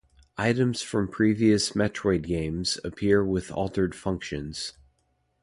Items from previous "Metroid" games appear with altered functions.